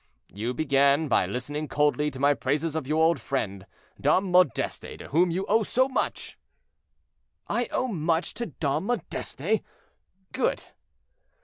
"You began by listening coldly to my praises of your old friend, Dom Modeste, to whom you owe much." "I owe much to Dom Modeste! Good."